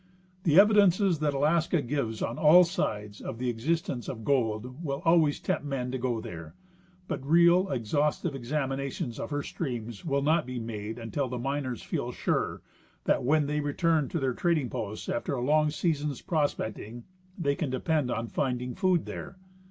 The evidences that Alaska gives on all sides of the existence of gold will always tempt men to go there, but' real exhaustive ex aminations of her streams will not be made until the miners feel sure that when they return to the trading posts after a long sea son's prospecting they can depend upon finding food there.